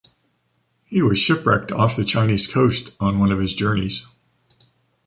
He was shipwrecked off the Chinese coast on one of his journeys.